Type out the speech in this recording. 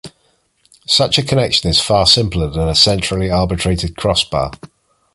Such a connection is far simpler than a centrally arbitrated crossbar.